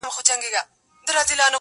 مرگ مشر او کشر ته نه گوري.